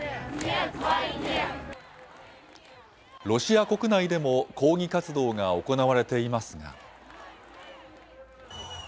ロシア国内でも抗議活動が行われていますが。